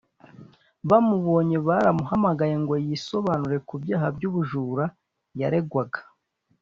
Bamubonye baramuhamagaye ngo yisobanure ku byaha by’ubujura yaregwaga